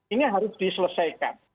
ini harus diselesaikan